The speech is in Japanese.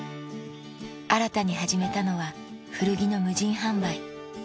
新たに始めたのは古着の無人販売